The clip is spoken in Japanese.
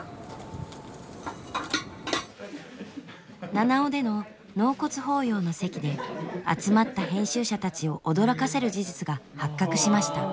七尾での納骨法要の席で集まった編集者たちを驚かせる事実が発覚しました。